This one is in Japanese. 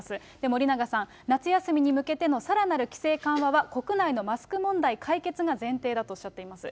森永さん、夏休みに向けてのさらなる規制緩和は、国内のマスク問題解決が前提だとおっしゃっています。